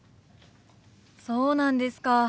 そうなんですか。